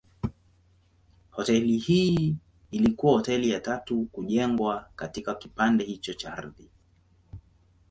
Hoteli hii ilikuwa hoteli ya tatu kujengwa katika kipande hicho cha ardhi.